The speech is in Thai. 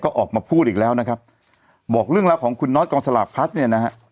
ก็ออกมาพูดอีกแล้วนะครับบอกเรื่องราวของคุณน็อตกองสลากพัฒน์เนี่ยนะฮะ